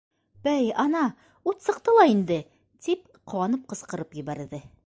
— Бәй, ана, ут сыҡты ла инде, — тип ҡыуанып ҡысҡырып ебәрҙе.